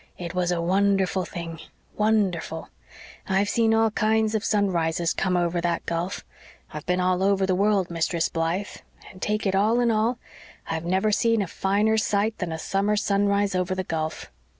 It was a wonderful thing wonderful. I've seen all kinds of sunrises come over that gulf. I've been all over the world, Mistress Blythe, and take it all in all, I've never seen a finer sight than a summer sunrise over the gulf.